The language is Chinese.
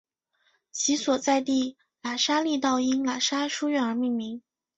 其所在地喇沙利道因喇沙书院而命名。